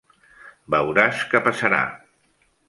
Veuràs què passarà.